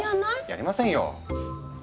やりませんよ。